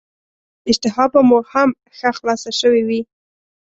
اشتها به مو هم ښه خلاصه شوې وي.